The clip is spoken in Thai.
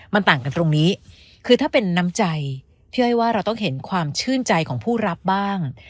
มันต่างกันตรงนี้คือถ้าเป็นน้ำใจพี่อ้อยว่าเราต้องเห็นความชื่นใจของผู้รับบ้าง